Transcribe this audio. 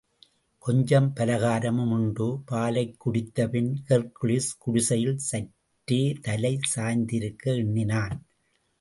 கொஞ்சம் பலகாரமும் உண்டு, பாலைக் குடித்த பின், ஹெர்க்குலிஸ் குடிசையில் சற்றே தலை சாய்த்திருக்க எண்ணினான்.